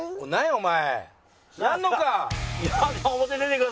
お前。